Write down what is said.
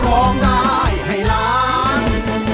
ร้องได้ให้ล้าน